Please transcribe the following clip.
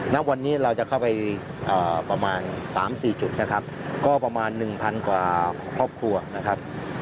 แล้ววันนี้เราจะเข้าไปเอ่อประมาณสามสี่จุดนะครับก็ประมาณหนึ่งพันกว่าครอบครัวนะครับ